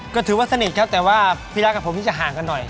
ก็ถือว่าสนิทครับแต่ว่าพี่รักกับผมนี่จะห่างกันหน่อย